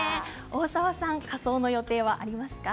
大沢さん、仮装の予定はありますか。